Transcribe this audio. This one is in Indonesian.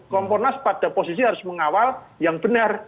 komponas pada posisi harus mengawal yang benar